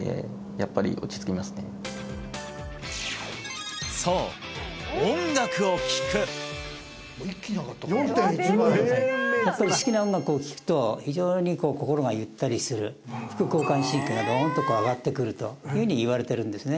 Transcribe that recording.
やっぱり好きな音楽を聴くと非常にこう心がゆったりする副交感神経がどーんとこう上がってくるというふうにいわれてるんですね